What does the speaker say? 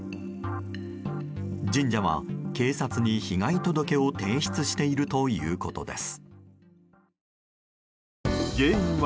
神社は警察に被害届を提出しているということです。